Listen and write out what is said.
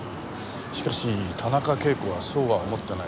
しかし田中啓子はそうは思ってない。